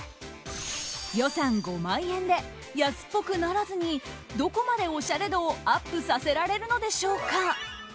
予算５万円で、安っぽくならずにどこまで、おしゃれ度をアップさせられるのでしょうか。